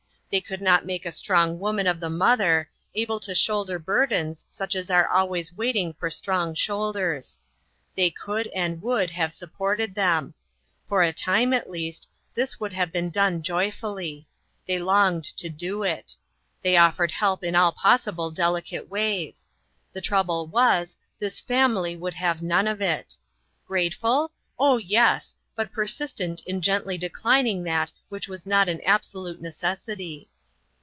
They could not make a strong woman of the mother, able to shoulder bur dens such as are always waiting for strong shoulders. They could and would have sup ported them. For a time, at least, tlu ; would have been done joyfully ; they longed to do it. They offered help in all possible delicate ways. The trouble was, this family AN OPEN DOOR. 59 would have none of it. Grateful? oh, yes, but persistent in gently declining that which was not an absolute necessity.